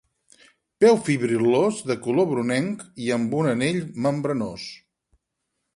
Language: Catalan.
Peu fibril·lós, de color brunenc i amb un anell membranós.